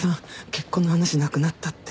結婚の話なくなったって。